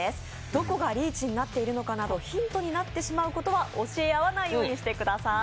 どこがリーチになっているかなどヒントになってしまうことは教え合わないようにしてください。